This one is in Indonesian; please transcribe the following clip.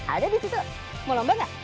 ada di situ mau lomba nggak